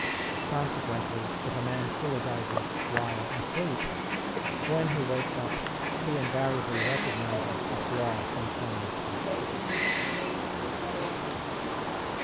Consequently, if a man syllogizes while asleep, when he wakes up he invariably recognizes a flaw in some respect.